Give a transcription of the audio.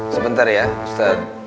sebentar ya ustaz